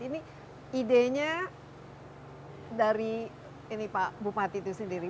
ini idenya dari ini pak bupati itu sendiri